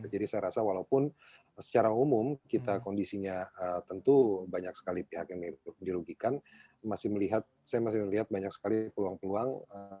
jadi saya rasa walaupun secara umum kita kondisinya tentu banyak sekali pihak yang dirugikan saya masih melihat banyak sekali peluang peluang